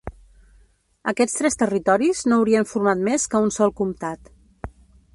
Aquests tres territoris no haurien format més que un sol comtat.